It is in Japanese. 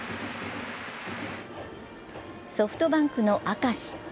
ソフトバンクの明石。